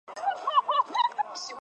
母仲氏。